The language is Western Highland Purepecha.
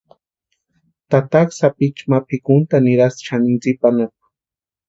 Tataka sapichu ma pʼikuntʼani nirasti xanini tsipa anapu.